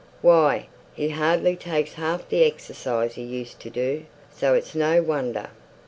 "Why, he hardly takes half the exercise he used to do, so it's no wonder.